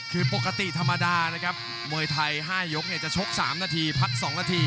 คือปกติธรรมดานะครับมวยไทย๕ยกจะชก๓นาทีพัก๒นาที